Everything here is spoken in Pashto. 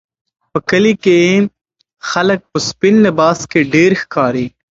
په کلي کې خلک په سپین لباس کې ډېر ښکاري.